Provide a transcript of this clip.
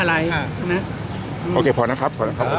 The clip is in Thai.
อ่ะโอเคพอนะครับ